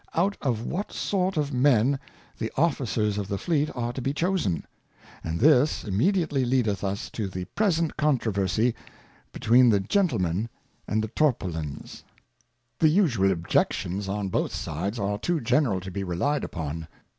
Out of what sort of Men the Officers of the Fleet are to be chosen; and this immediately leadeth us to the present Controversy between the Gentlemen and the Tarpaulins. The 170 A Rough Draught The usual Objections on both sides are too general to be relied upon.